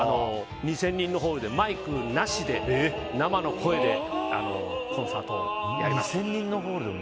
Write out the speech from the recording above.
２０００人のホールでマイクなしで生の声でコンサートをやります。